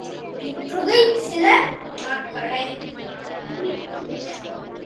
முற்றுகை சில நாட்களா?